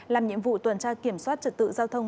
làm nhiệm vụ tuần tra kiểm soát trật tự giao thông